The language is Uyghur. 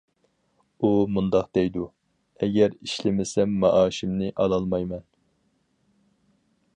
ئۇ مۇنداق دەيدۇ: ئەگەر ئىشلىمىسەم مائاشىمنى ئالالمايمەن.